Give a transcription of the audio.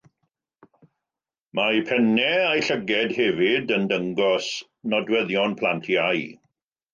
Mae eu pennau a'u llygaid hefyd yn dangos nodweddion plant iau.